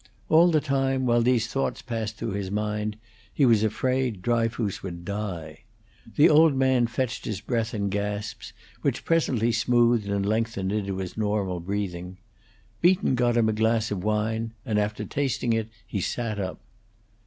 All the time, while these thoughts passed through his mind, he was afraid Dryfoos would die. The old man fetched his breath in gasps, which presently smoothed and lengthened into his normal breathing. Beaton got him a glass of wine, and after tasting it he sat up.